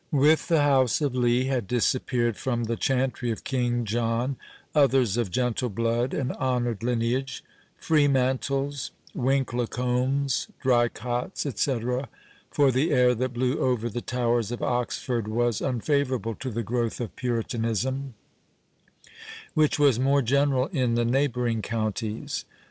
With the house of Lee had disappeared from the chantry of King John others of gentle blood and honoured lineage—Freemantles, Winklecombes, Drycotts, &c. for the air that blew over the towers of Oxford was unfavourable to the growth of Puritanism, which was more general in the neighbouring counties.